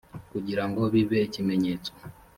kugira ngo bibe ikimenyetso